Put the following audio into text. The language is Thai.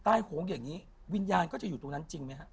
โหงอย่างนี้วิญญาณก็จะอยู่ตรงนั้นจริงไหมฮะ